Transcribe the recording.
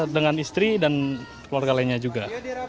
dengan istri dan keluarga lainnya juga